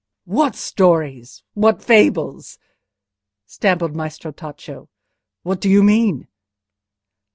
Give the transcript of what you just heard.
"What stories? what fables?" stammered Maestro Tacco. "What do you mean?"